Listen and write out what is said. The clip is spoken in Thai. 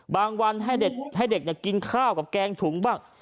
วันให้เด็กกินข้าวกับแกงถุงบ้าง